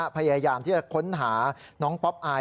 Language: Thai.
พยายามที่จะค้นหาน้องป๊อปอาย